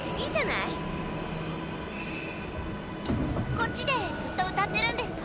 こっちでずっと歌ってるんですか？